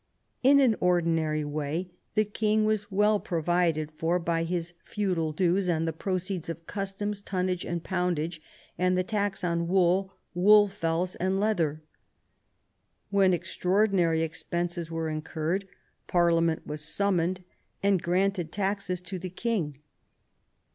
In an ordinary way the king was well provided for by his feudal dues and the proceeds of customs, tonnage and poundage, and the tax on wool, wool fells, and leather. When extraordinary expenses were in curred Parliament was summoned, and granted taxes to the king.